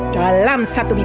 dalam satu bulan